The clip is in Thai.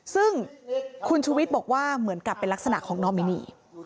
ซึ่งคุณชูวิทย์บอกว่าเหมือนกับเป็นลักษณะของนอมินี